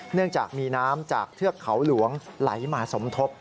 เนื่องจากมีน้ำจากเทือกเขาหลวงไหลมาสมทบ